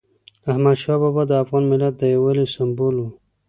احمدشاه بابا د افغان ملت د یووالي سمبول و.